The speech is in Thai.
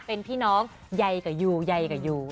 เป็นพี่น้องใยกับยูใยกับยู